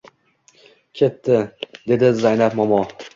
ketdi! — dedi Zaynab momo.